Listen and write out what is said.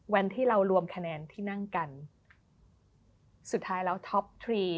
วันที่เรารวมคะแนนที่นั่งกันสุดท้ายแล้วท็อปทรี